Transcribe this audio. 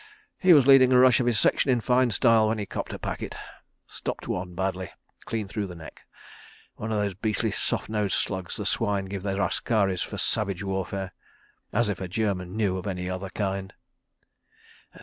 He was leading a rush of his section in fine style, when he 'copped a packet.' Stopped one badly. Clean through the neck. One o' those beastly soft nosed slugs the swine give their askaris for 'savage' warfare. ... As if a German knew of any other kind.